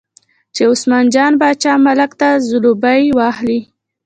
چې عثمان جان باچا ملک ته ځلوبۍ واخلي.